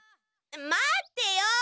待ってよ！